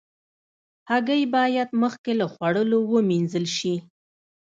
هګۍ باید مخکې له خوړلو وینځل شي.